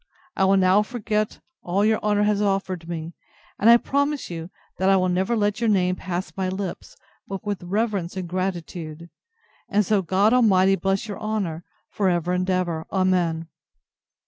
I will now forget all your honour has offered me: and I promise you, that I will never let your name pass my lips, but with reverence and gratitude: and so God Almighty bless your honour, for ever and ever! Amen.